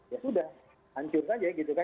ya sudah hancur saja